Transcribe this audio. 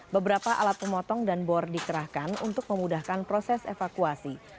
beberapa alat pemotong dan bor dikerahkan untuk memudahkan proses evakuasi